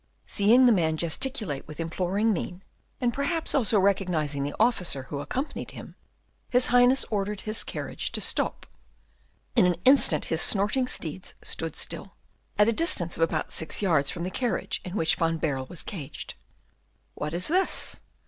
Seeing the man gesticulate with imploring mien, and perhaps also recognising the officer who accompanied him, his Highness ordered his carriage to stop. In an instant his snorting steeds stood still, at a distance of about six yards from the carriage in which Van Baerle was caged. "What is this?"